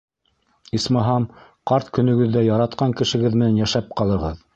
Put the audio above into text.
Исмаһам, ҡарт көнөгөҙҙә яратҡан кешегеҙ менән йәшәп ҡалығыҙ.